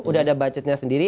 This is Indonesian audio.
udah ada budgetnya sendiri